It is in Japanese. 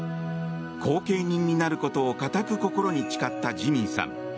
後見人になることを固く心に誓ったジミーさん。